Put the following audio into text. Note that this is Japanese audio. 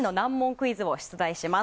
クイズを出題します。